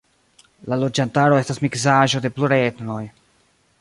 La loĝantaro estas miksaĵo de pluraj etnoj.